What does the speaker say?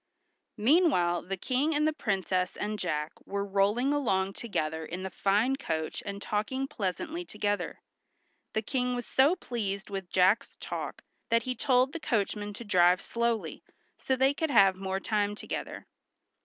Meanwhile the King and the Princess and Jack were rolling along together in the fine coach and talking pleasantly together. The King was so pleased with Jack's talk that he told the coachman to drive slowly, so they could have the more time together.